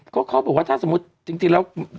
ก็เขาบอกว่าถ้าสมมุติจริงแล้ว